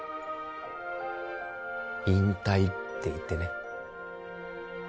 引退っていってね